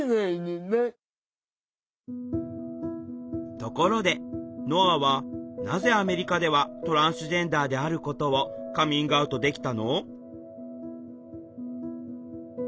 ところでノアはなぜアメリカではトランスジェンダーであることをカミングアウトできたの？